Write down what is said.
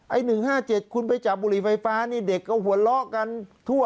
๑๕๗คุณไปจับบุหรี่ไฟฟ้านี่เด็กก็หัวเราะกันทั่ว